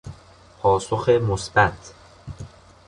پاسخ مثبت